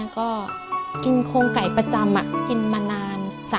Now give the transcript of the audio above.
ก็กินโครงไก่ประจำกินมานาน